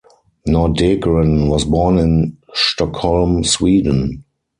Nordegren was born in Stockholm, Sweden.